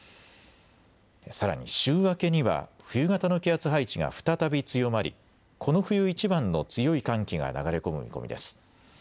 さらに週明けには冬型の気圧配置が再び強まり、この冬いちばんの強い寒気が流れ込む見込みです。